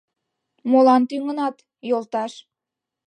— Молан тӱҥынат, йолташ?